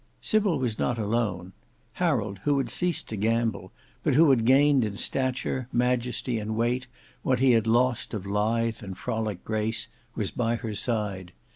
Sybil was not alone; Harold, who had ceased to gambol, but who had gained in stature, majesty and weight what he had lost of lithe and frolick grace, was by her side.